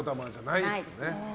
ないです。